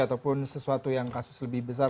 ataupun sesuatu yang kasus lebih besar